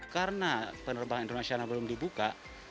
karena penerbangan internasional belum dibuka